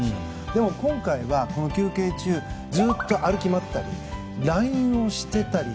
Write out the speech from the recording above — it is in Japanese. でも、今回は休憩中ずっと歩き回ったりＬＩＮＥをしたり。